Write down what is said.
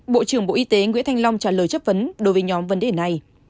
bộ trưởng bộ y tế nguyễn thanh long trả lời chất vấn đối với nhóm vấn đề này